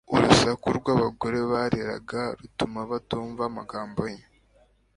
Urusaku rw'abagore bariraga rutuma batumva amagambo ye.